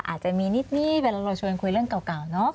อาจจะมีนิดเวลาเราชวนคุยเรื่องเก่าเนาะ